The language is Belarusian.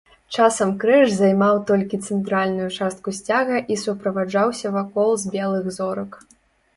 Часам крыж займаў толькі цэнтральную частку сцяга і суправаджаўся вакол з белых зорак.